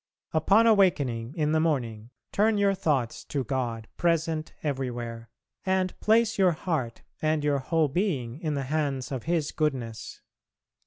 Upon awakening in the morning, turn your thoughts to God present everywhere, and place your heart and your whole being in the hands of His goodness.